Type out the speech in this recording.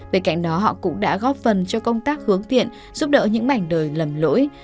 bên cạnh đó họ cũng đã góp phần cho công tác hướng tiện giúp đỡ những mảnh đời lầm lỗi